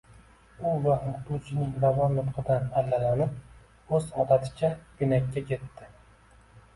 u va o‘qituvchining ravon nutqidan allalanib, o‘z odaticha, pinakka ketdi.